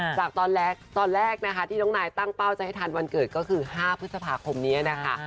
จากตอนแรกนะคะที่น้องนายตั้งเป้าจะให้ทันวันเกิดก็คือ๕พฤษภาคมนี้นะคะ